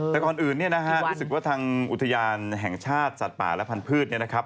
แต่ก่อนอื่นรู้สึกว่าทางอุทยานแห่งชาติสัตว์ป่าและพันธุ์พืช